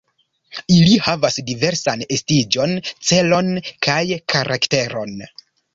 Ili havas diversan estiĝon, celon kaj karakteron.